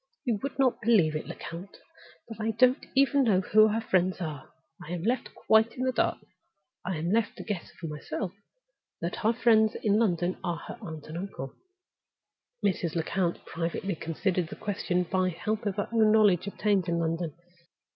You may not believe it, Lecount, but I don't even know who her friends are. I am left quite in the dark; I am left to guess for myself that her friends in London are her uncle and aunt." Mrs. Lecount privately considered the question by the help of her own knowledge obtained in London.